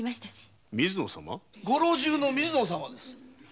ご老中の水野様ですよ。